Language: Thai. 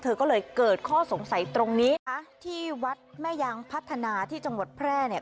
เธอก็เลยเกิดข้อสงสัยตรงนี้อ่ะที่วัดแม่ยางพัฒนาที่จังหวัดแพร่เนี่ย